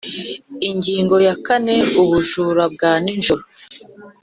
Ingingo ya kane Ubujura bwa nijoro